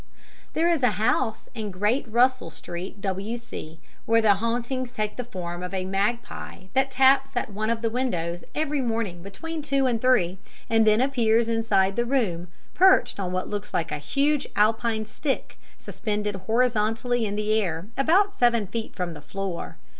There is a house in Great Russell Street, W.C., where the hauntings take the form of a magpie that taps at one of the windows every morning between two and three, and then appears inside the room, perched on what looks like a huge alpine stick, suspended horizontally in the air, about seven feet from the floor.